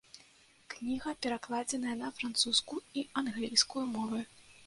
Кніга перакладзеная на французскую і англійскую мовы.